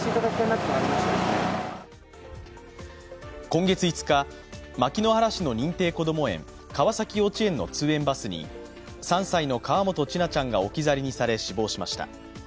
今月５日、牧之原市の認定こども園・川崎幼稚園の通園バスに３歳の河本千奈ちゃんが置き去りにされ、死亡しました。